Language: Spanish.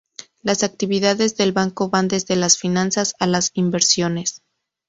Las actividades del banco van desde las finanzas a las inversiones.